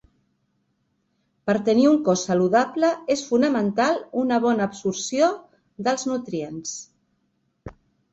Per tenir un cos saludable és fonamental una bona absorció dels nutrients.